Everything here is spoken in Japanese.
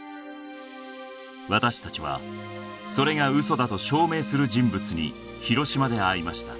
私たちはそれが嘘だと証明する人物に広島で会いました